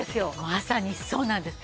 まさにそうなんです。